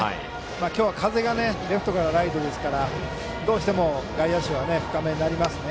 今日は風がレフトからライトですからどうしても外野手は深めになりますね。